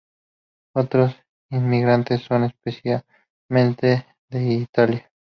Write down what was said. Otros inmigrantes son especialmente de Italia.